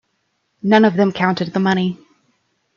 None of them counted the money.